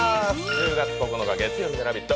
１０月９日月曜日の「ラヴィット！」。